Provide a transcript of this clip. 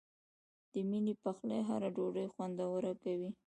د مینې پخلی هره ډوډۍ خوندوره کوي.